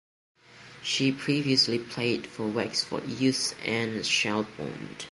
She previously played for Wexford Youths and Shelbourne.